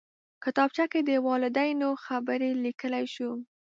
کتابچه کې د والدینو خبرې لیکلی شو